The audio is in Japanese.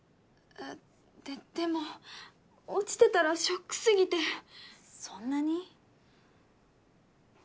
ででも落ちてたらショックすぎてそんなに？